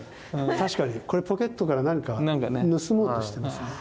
確かにこれポケットから何か盗もうとしてますね。